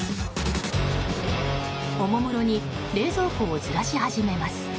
おもむろに冷蔵庫をずらし始めます。